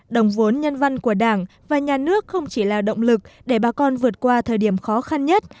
đồng vốn nhân văn của đảng và nhà nước không chỉ là động lực để bà con vượt qua thời điểm khó khăn nhất